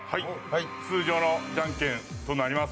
通常のじゃんけんとなります。